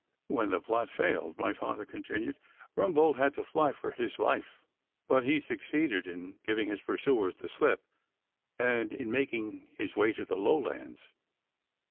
'When the plot failed,' my father continued, 'Rumbold had to fly for his life, but he succeeded in giving his pursuers the slip and in making his way to the Lowlands.